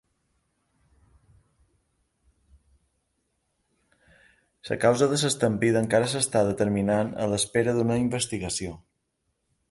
La causa de l'estampida encara s'està determinant a l'espera d'una investigació.